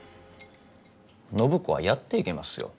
暢子はやっていけますよ。